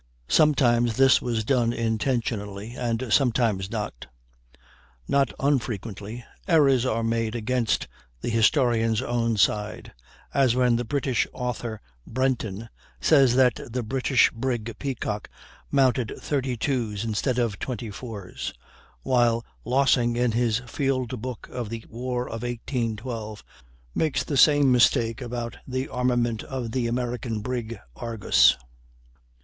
Sometimes this was done intentionally and sometimes not. Not unfrequently errors are made against the historian's own side; as when the British author, Brenton, says that the British brig Peacock mounted 32's instead of 24's, while Lossing in his "Field Book of the War of 1812" makes the same mistake about the armament of the American brig Argus.